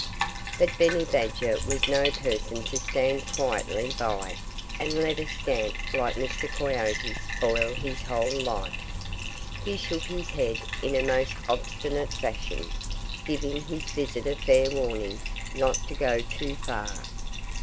But Benny Badger was no person to stand quietly by and let a scamp like Mr. Coyote spoil his whole life. He shook his head in a most obstinate fashion, giving his visitor fair warning not to go too far.